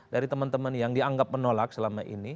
dari teman teman yang dianggap menolak selama ini